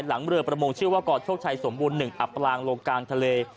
หลังเรือประมงชื่อว่ากโชคชัยสมบูรณ์๑อับปลางลงกลางทะเล